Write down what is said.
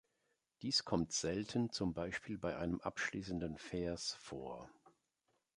Dies kommt selten zum Beispiel bei einem abschließenden Vers vor.